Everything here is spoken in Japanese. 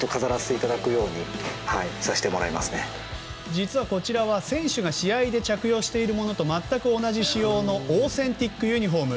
実はこちら、選手が試合で着用しているものと全く同じ仕様のオーセンティックユニホーム。